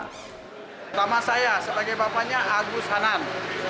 nama saya sebagai bapanya agus hanan